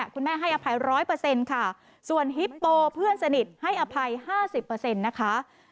ให้อภัย๑๐๐ค่ะส่วนฮิปโปเพื่อนสนิทให้อภัย๕๐นะคะ